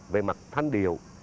về mặt thanh điệu